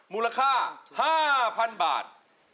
มูลค่า๕๐๐๐บาท